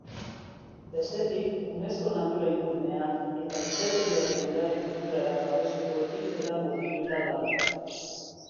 Bestetik, Unesco natura-inguruneak eta gizateriaren ondare kulturalak babesteko ekintzetan murgilduta dago.